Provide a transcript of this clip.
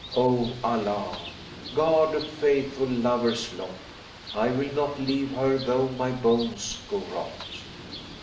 O Allah, guard a faithful lover's lot * I will not leave her though my bones go rot!"